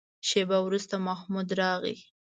شېبه وروسته محمود راغی.